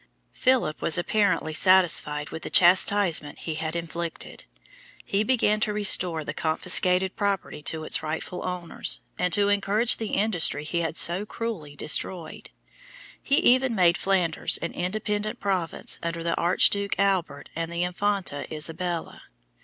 Philip was apparently satisfied with the chastisement he had inflicted. He began to restore the confiscated property to its rightful owners, and to encourage the industry he had so cruelly destroyed. He even made Flanders an independent province under the Archduke Albert and the Infanta Isabella.